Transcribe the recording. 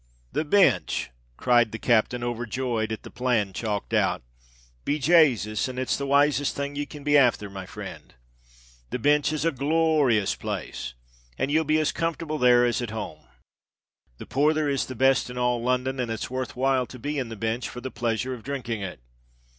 "The Binch!" cried the captain, overjoyed at the plan chalked out: "be Jasus! and it's the wisest thing ye can be afther, my frind! The Binch is a glor rious place—and ye'll be as comfortable there as at home. The porther is the best in all London; and it's worth while to be in the Binch for the pleasure of dhrinking it.